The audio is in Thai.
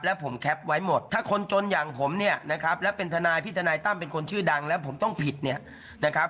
แล้วผมแคปไว้หมดถ้าคนจนอย่างผมเนี่ยนะครับแล้วเป็นทนายพี่ทนายตั้มเป็นคนชื่อดังแล้วผมต้องผิดเนี่ยนะครับ